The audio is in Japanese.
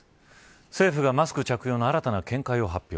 政府がマスク着用の新たな見解を発表。